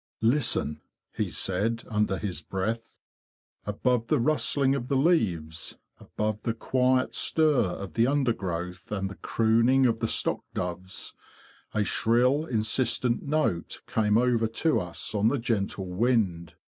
" Listen! '' he said under his breath. Above the rustling of the leaves, above the quiet stir of the undergrowth and the crooning of the stock doves, a shrill insistent note came over to us on the gentle wind.